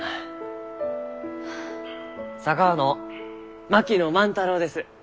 佐川の槙野万太郎です。